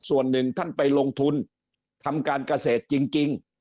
ส่วนหนึ่งท่านไปลงทุนทำการเกษตรจริง